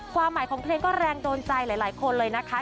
ความหมายของเพลงก็แรงโดนใจหลายคนเลยนะคะ